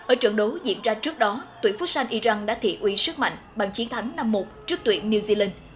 ở trận đấu diễn ra trước đó tuyển phúc san iran đã thị uy sức mạnh bằng chiến thắng năm một trước tuyển new zealand